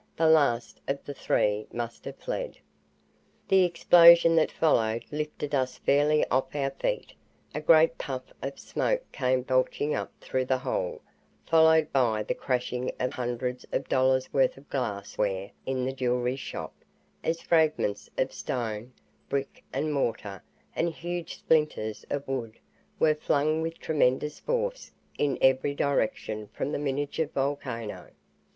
The last of the three must have fled. The explosion that followed lifted us fairly off our feet. A great puff of smoke came belching up through the hole, followed by the crashing of hundreds of dollars' worth of glass ware in the jewelry shop as fragments of stone, brick and mortar and huge splinters of wood were flung with tremendous force in every direction from the miniature volcano.